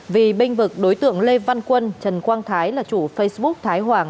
vì binh vực đối tượng lê văn quân trần quang thái là chủ facebook thái hoàng